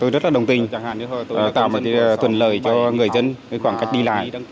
tôi rất là đồng tình tạo một thuận lợi cho người dân với khoảng cách đi lại